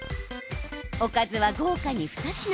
おかずは豪華に２品。